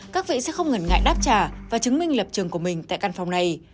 các vệ sẽ không ngần ngại đáp trả và chứng minh lập trường của mình tại căn phòng này